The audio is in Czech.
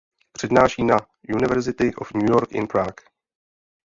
Přednáší na University of New York in Prague.